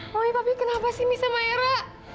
mami papi kenapa sih misi sama era